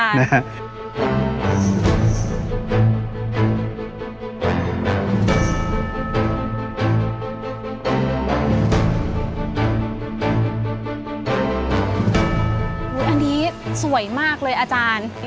อันนี้สวยมากเลยอาจารย์